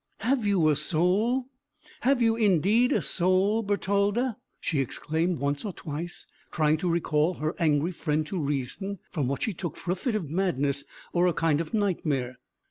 "Have you a soul? Have you indeed a soul, Bertalda?" she exclaimed once or twice, trying to recall her angry friend to reason, from what she took for a fit of madness, or a kind of nightmare.